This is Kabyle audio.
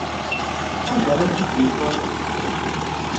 Anda ay t-id-yufa?